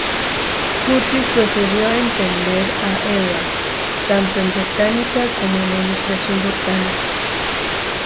Curtis procedió a entrenar a Edwards tanto en botánica como en la ilustración botánica.